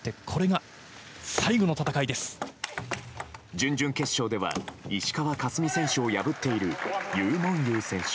準々決勝では石川佳純選手を破っているユー・モンユー選手。